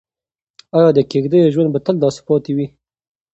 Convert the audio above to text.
ایا د کيږديو ژوند به تل داسې پاتې وي؟